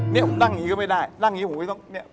มองอะไรต้องรู้นะ